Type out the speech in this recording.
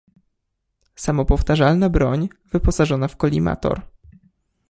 Samopowtarzalna broń wyposażona w kolimator.